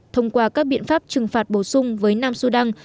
thông qua các biện pháp trừng phạt bổ sung với nam sudan